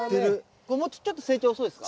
これちょっと成長遅いですか？